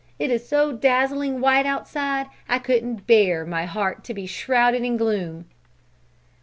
It is so dazzling white outside, I couldn't bear my heart to be shrouded in gloom!"